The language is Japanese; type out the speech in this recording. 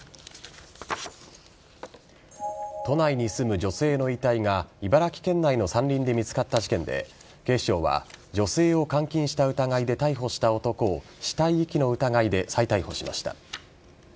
都内に住む女性の遺体が茨城県内の山林で見つかった事件で警視庁は女性を監禁した疑いで逮捕した男を死体遺棄の疑いで再逮捕しました。